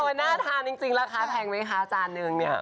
แต่วันน่าทานจริงราคาแพงไหมค่ะอาจารย์